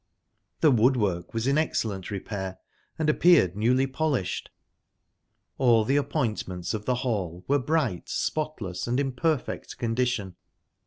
The woodwork was in excellent repair, and appeared newly polished. Al the appointments of the hall were bright, spotless, and in perfect condition.